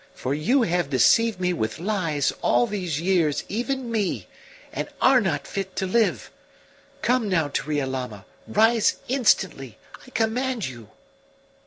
For you have deceived me with lies all these years even me and are not fit to live! Come now to Riolama; rise instantly, I command you!"